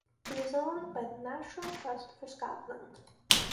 It is owned by the National Trust for Scotland.